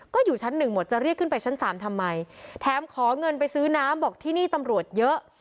ก็อยู่ชั้นหนึ่งหมดจะเรียกขึ้นไปชั้นสามทำไมแถมขอเงินไปซื้อน้ำบอกที่นี่ตำรวจเยอะ